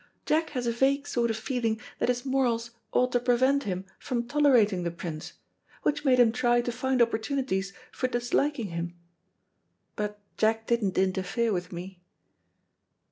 Jack has a vague sort of feeling that his morals ought to prevent him from tolerating the Prince, which made him try to find opportunities for disliking him. But Jack didn't interfere with me."